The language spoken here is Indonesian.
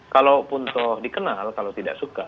kalau pun toh dikenal kalau tidak suka